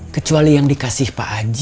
kecuali yang dikasih pak anji